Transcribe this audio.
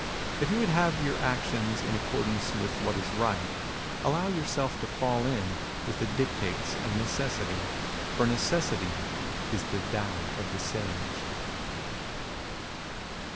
If you would have yoiur actions in accordance with what is right, allow yourself to fall in with the dictates of necessity. Eor necessity is the Tao of the Sage.